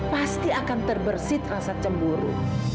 pasti akan terbersih rasa cemburu